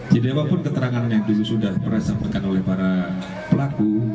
jadi apapun keterangan yang dulu sudah disampaikan oleh para pelaku